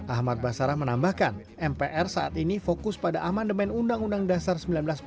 ahmad basarah menambahkan mpr saat ini fokus pada amandemen undang undang dasar seribu sembilan ratus empat puluh